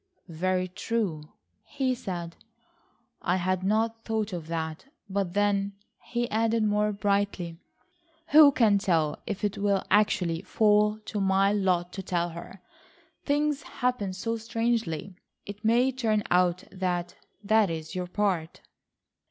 "Very true," he said, "I had not thought of that. But then," he added more brightly, "who can tell if it will actually fall to my lot to tell her. Things happen so strangely. It may turn out that that is your part."